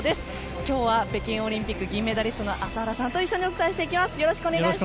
今日は北京オリンピック銀メダリストの朝原さんとお伝えします。